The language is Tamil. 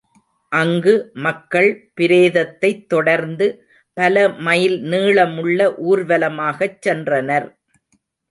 அங்கு மக்கள் பிரேதத்தைத் தொடர்ந்து பலமைல் நீளமுள்ள ஊர்வலமாகச் சென்றனர்.